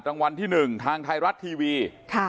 รางวัลที่๑ทางไทยรัฐทีวี